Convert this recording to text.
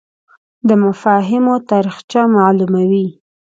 دی مفاهیمو تاریخچه معلوموي